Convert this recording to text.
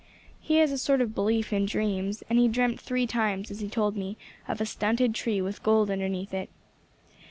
"He has a sort of belief in dreams, and he dreamt three times, as he told me, of a stunted tree with gold underneath it.